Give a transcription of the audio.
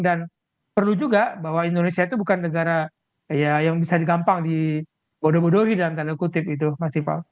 dan perlu juga bahwa indonesia itu bukan negara yang bisa digampang dibodobodori dalam kata kutip itu mas tifal